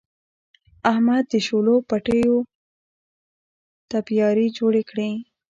احمد د شولو پټیو تپیاري جوړې کړې.